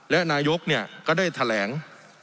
และนายกรัฐมนตรีก็ได้แถลง